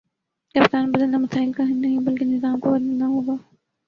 کپتان بدلنا مسائل کا حل نہیں بلکہ نظام کو بدلنا ہوگا